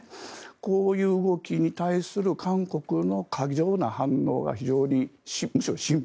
こういう動きに対する韓国の過剰な反応が非常にむしろ心配。